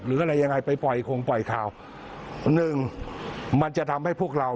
หรืออะไรยังไงไปปล่อยคงปล่อยข่าวหนึ่งมันจะทำให้พวกเรา